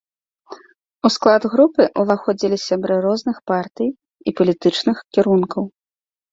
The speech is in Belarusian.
У склад групы ўваходзілі сябры розных партый і палітычных кірункаў.